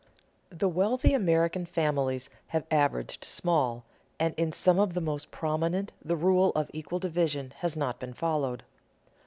The wealthy American families have averaged small, and in some of the most prominent the rule of equal division has not been followed.